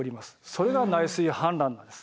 それが内水氾濫なんです。